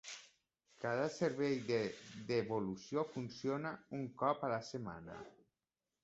Cada servei de devolució funciona un cop a la setmana.